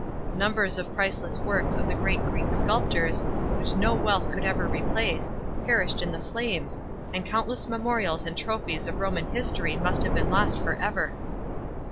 Numbers of priceless works of the great Greek sculptors, which no wealth could ever replace, perished in the flames, and countless memorials and trophies of Roman history must have been lost for ever.